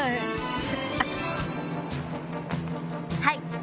はい。